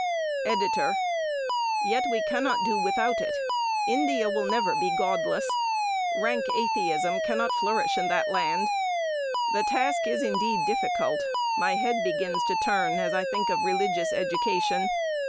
EDITOR: Yet we cannot do without it. India will never be godless. Rank atheism cannot flourish in that land. The task is indeed difficult. My head begins to turn as I think of religious education.